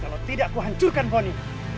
kalau tidak aku hancurkan pohon ini